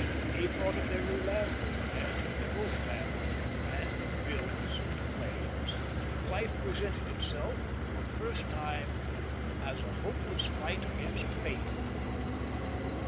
He thought of their new landlord, and of their old landlord, and of bills and claims. Life presented itself for the first time as a hopeless fight against fate....